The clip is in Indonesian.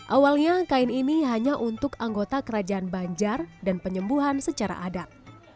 awalnya kain ini hanya untuk anggota kerajaan banjar dan penyembuhan secara adat